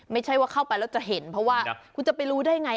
ไม่ใช่ว่าเข้าไปแล้วจะเห็นเพราะว่าคุณจะไปรู้ได้ไง